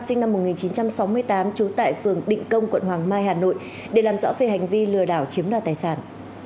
sinh năm một nghìn chín trăm sáu mươi tám trú tại phường định công quận hoàng mai hà nội để làm rõ về hành vi lừa đảo chiếm đoạt tài sản